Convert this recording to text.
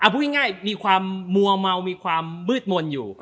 พูดง่ายมีความมัวเมามีความมืดมนต์อยู่